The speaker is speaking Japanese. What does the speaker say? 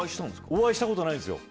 お会いしたことないんですよ。